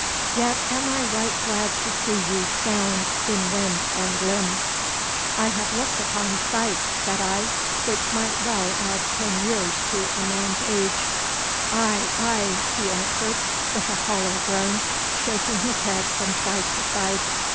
Yet am I right glad to see you sound in wind and limb.' 'I have looked upon sights,' said I, 'which might well add ten years to a man's age.' 'Aye, aye!' he answered, with a hollow groan, shaking his head from side to side.